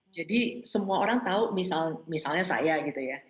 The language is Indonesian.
jadi semua orang tahu misalnya saya gitu ya